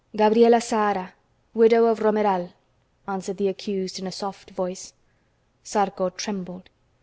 "Gabriela Zahara, widow of Romeral," answered the accused in a soft voice. Zarco trembled.